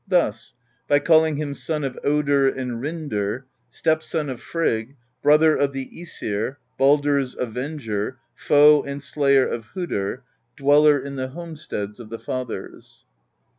Thus: by calling him Son of Odin and Rindr, Stepson of Frigg, Brother of the ^sir, Baldr's Avenger, Foe and Slayer of Hodr, Dweller in the Homesteads of the Fathers.